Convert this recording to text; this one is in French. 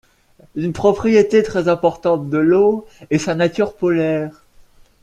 Une propriété très importante de l’eau est sa nature polaire.